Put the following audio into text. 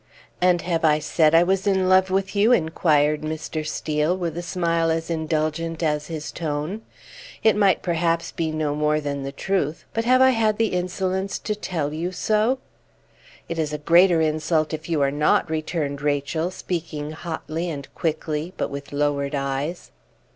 "And have I said I was in love with you?" inquired Mr. Steel, with a smile as indulgent as his tone. "It might, perhaps, be no more than the truth; but have I had the insolence to tell you so?" "It is a greater insult if you are not," returned Rachel, speaking hotly and quickly, but with lowered eyes.